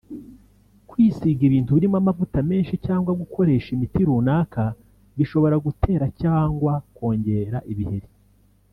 kwisiga ibintu birimo amavuta menshi cyangwa gukoresha imiti runaka bishobora gutera cyangwa kongera ibiheri